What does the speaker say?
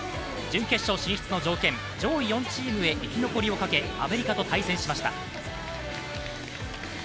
準決勝進出の条件、上位４チームへ生き残りをかけ、アメリカと対戦しました。